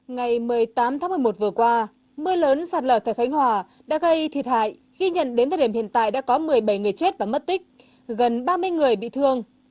ngày một mươi tám tháng một mươi một vừa qua mưa lớn sạt lở tại khánh hòa đã gây thiệt hại ghi nhận đến thời điểm hiện tại đã có một mươi bảy người chết và mất tích gần ba mươi người bị thương